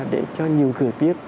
để cho nhiều người biết